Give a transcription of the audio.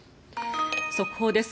速報です。